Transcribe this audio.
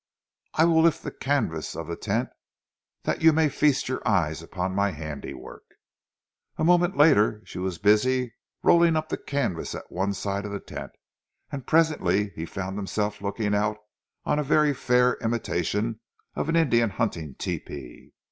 I will lift the canvas of the tent that you may feast your eyes on my handiwork." A moment later she was busy rolling up the canvas at one side of the tent, and presently he found himself looking out on a very fair imitation of an Indian hunting tepee.